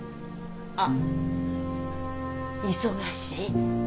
あっ忙しい？